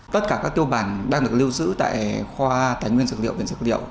tất cả các tiêu bản đang được lưu giữ tại khoa tài nguyên dược liệu viện dược liệu